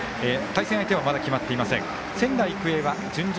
対戦相手はまだ決まっています。